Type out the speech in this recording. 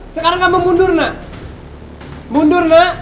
semoga kamu kembali ngabur